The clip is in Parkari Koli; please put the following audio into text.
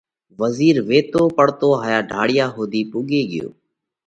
وزِير ويتو پڙتو هائيا ڍاۯِيا ۿُوڌِي پُوڳي ڳيو۔